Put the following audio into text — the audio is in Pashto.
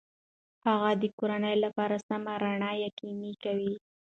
هغه د کورنۍ لپاره سمه رڼا یقیني کوي.